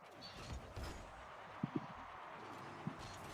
小兜翼蝠属等之数种哺乳动物。